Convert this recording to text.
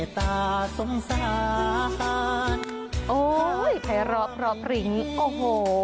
อ๋อภายรอบรอบริงโอ้โห